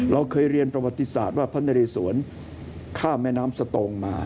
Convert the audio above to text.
เราเคยเรียนประวัติศาสตร์ว่าพระนเรสวนข้ามแม่น้ำสตงมา